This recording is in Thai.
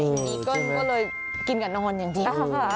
พี่ก็เลยกินกับนอนอย่างดี